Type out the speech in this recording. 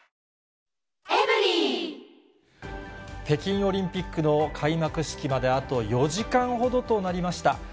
北京オリンピックの開幕式まであと４時間ほどとなりました。